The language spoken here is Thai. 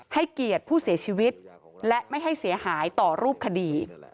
ให้เกียรติผู้เสียชีวิตและไม่ให้เสียหายต่อรูปคดี